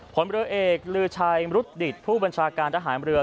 ผลเรือเอกลือชัยมรุฑดิตผู้บัญชาการทหารเรือ